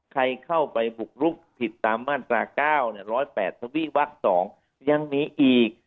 ใครเข้าไปบุกลุกผิดตามมาตรา๙๑๐๘ทวีวัก๒ยังมีอีก